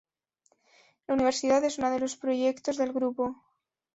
La universidad es una de los proyectos del grupo.